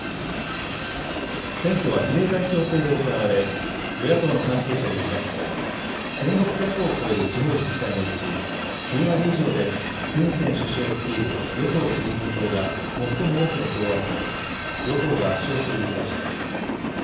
選挙は比例代表制で行われ与野党の関係者によりますと１６００を超える地方自治体のうち９割以上でフン・セン首相率いる与党人民党が最も多くの票を集め与党が圧勝する見通しです。